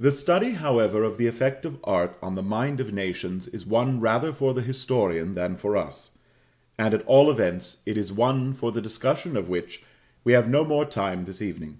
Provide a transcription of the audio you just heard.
The study, however, of the effect of art on the mind of nations is one rather for the historian than for us; at all events it is one for the discussion of which we have no more time this evening.